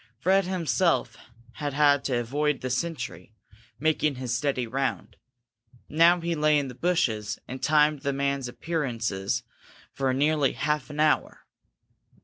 Fred himself had had to avoid the sentry, making his steady round. Now he lay in the bushes and timed the man's appearances for nearly half an hour.